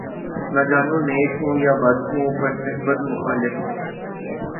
نہ جانوں نیک ہوں یا بد ہوں‘ پر صحبت مخالف ہے